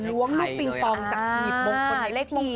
ล้วงลูกบิงปองจากหีบมงคลที่